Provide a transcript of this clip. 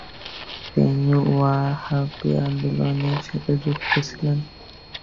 তিনি ওয়াহাবী আন্দোলন এর সাথে যুক্ত ছিলেন।